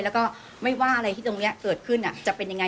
แล้วก็ไม่ว่าอะไรที่ตรงนี้เกิดขึ้นจะเป็นยังไง